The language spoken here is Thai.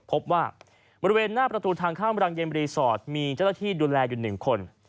พบว่าบริเวณหน้าประตูทางข้ามรังเย็นรีสอร์ทมีเจ้าหน้าที่ดูแลอยู่๑คน